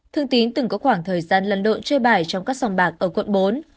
thương tín từng có khoảng thời gian lăn lộn chơi bài trong các sòng bạc ở quận bốn